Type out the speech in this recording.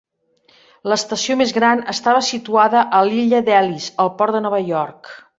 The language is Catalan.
L'estació més gran estava situada a l'illa d'Ellis, al port de Nova York.